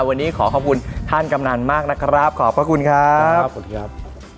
วันนี้ขอขอบคุณท่านกำนันมากนะครับขอบพระคุณครับสวัสดีครับ